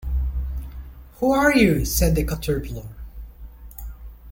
‘Who are you?’ said the Caterpillar.